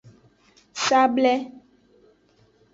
Sable.